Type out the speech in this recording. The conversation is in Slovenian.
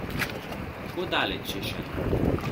Kako daleč je še?